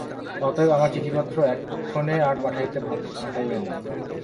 অতএব আমার চিঠিপত্র এক্ষণে আর পাঠাইবে না।